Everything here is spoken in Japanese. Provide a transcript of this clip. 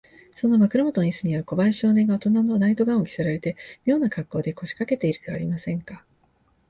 その枕もとのイスには、小林少年がおとなのナイト・ガウンを着せられて、みょうなかっこうで、こしかけているではありませんか。